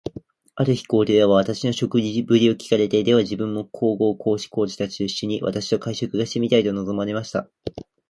ある日、皇帝は私の食事振りを聞かれて、では自分も皇后、皇子、皇女たちと一しょに、私と会食がしてみたいと望まれました。